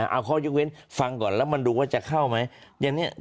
เอาข้อยกเว้นฟังก่อนแล้วมันดูว่าจะเข้าไหม